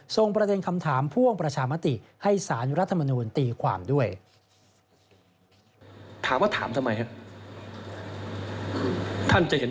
ส่งประเด็นคำถามพ่วงประชามติให้สารรัฐมนูลตีความด้วย